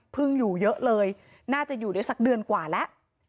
อยู่เยอะเลยน่าจะอยู่ได้สักเดือนกว่าแล้ว